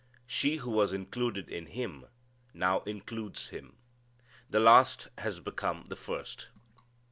She who was included in him now includes him. The last has become first.